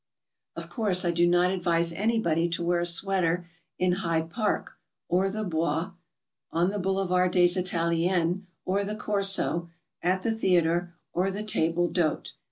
Of course, I do not advise anybody to wear a sweater in Hyde Park or the Bois, on the Boulevard des Italiennes or the Corso, at the theatre or the table d'hote.